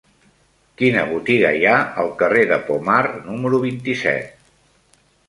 Quina botiga hi ha al carrer de Pomar número vint-i-set?